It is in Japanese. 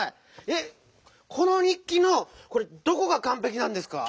えっこのにっきのこれどこがかんぺきなんですか？